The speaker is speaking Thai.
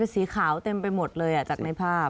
สีขาวเต็มไปหมดเลยจากในภาพ